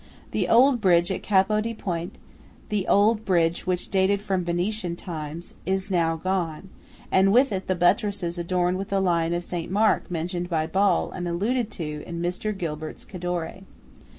The old bridge at Capo di Ponte–the old bridge which dated from Venetian times–is now gone; and with it the buttresses adorned with the lion of St. Mark mentioned by Ball and alluded to in Mr. Gilbert's "Cadore."